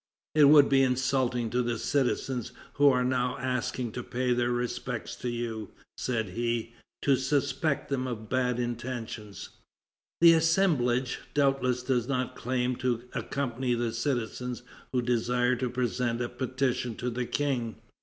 "It would be insulting to the citizens who are now asking to pay their respects to you," said he, "to suspect them of bad intentions... The assemblage doubtless does not claim to accompany the citizens who desire to present a petition to the King.